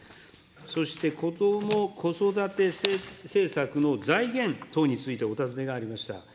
そして、こども・子育て政策の財源等についてお尋ねがありました。